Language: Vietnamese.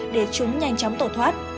để chúng nhanh chóng tổ thoát